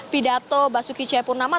pidato basuki ceyapunama